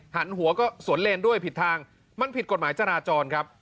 หันหัวก็สวนเลนด้วยผิดทางมันผิดกฎหมายจราจรครับ